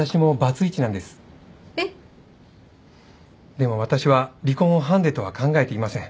でも私は離婚をハンデとは考えていません。